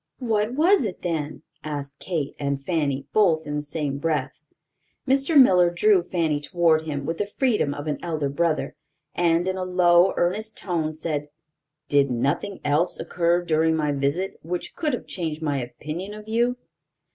"What was it then?" asked Kate and Fanny, both in the same breath. Mr. Miller drew Fanny toward him with the freedom of an elder brother, and, in a low, earnest tone, said: "Did nothing else occur during my visit, which could have changed my opinion of you?"